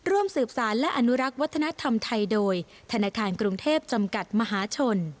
ร่วมสืบสารและอนุรักษ์วัฒนธรรมไทยโดยธนาคารกรุงเทพจำกัดมหาชน